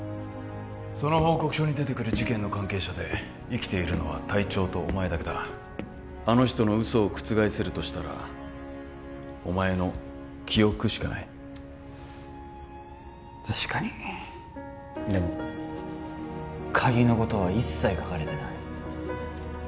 その報告書に出てくる事件の関係者で生きているのは隊長とお前だけだあの人の嘘を覆せるとしたらお前の記憶しかない確かにでも鍵のことは一切書かれてない